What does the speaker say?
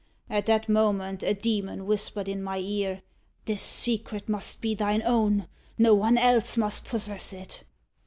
At that moment a demon whispered in my ear, 'This secret must be thine own. No one else must possess it.'"